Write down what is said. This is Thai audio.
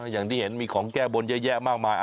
อย่างที่เห็นมีของแก้บนเยอะแยะมากมาย